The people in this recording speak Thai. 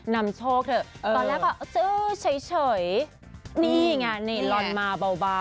นำโชคเถอะตอนแรกเขาก็เช้ยนี่อย่างนี้รอนมาเบา